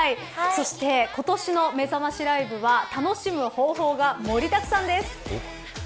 そして今年のめざましライブは楽しむ方法が盛りだくさんです。